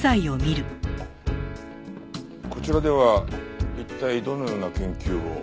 こちらでは一体どのような研究を？